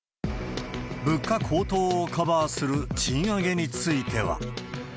物価高騰をカバーする賃上げについては。